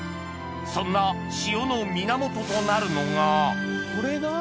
そんな塩の源となるのがこれが？